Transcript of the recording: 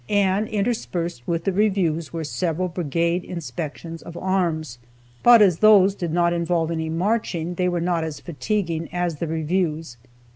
And interspersed with the reviews were several brigade inspections of arms. But as those did not involve any marching, they were not as fatiguing as the reviews.